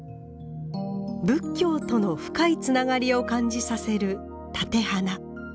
仏教との深いつながりを感じさせる立て花。